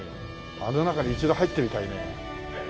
あの中に一度入ってみたいね。